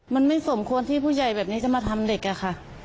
มันไม่สมควรที่ผู้ใหญ่แบบนี้จะมาทำเด็กอะค่ะ